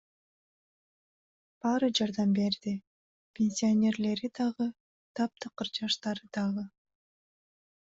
Баары жардам берди — пенсионерлери дагы, таптакыр жаштары дагы.